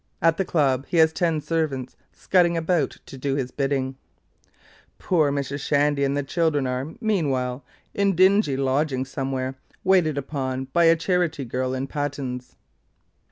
At the Club he has ten servants scudding about to do his bidding. Poor Mrs. Shindy and the children are, meanwhile, in dingy lodgings somewhere, waited upon by a charity girl in pattens.